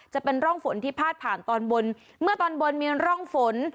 จะเป็นร่องฝนที่พาดผ่านตอนบนเมื่อตอนบนมีร่องฝน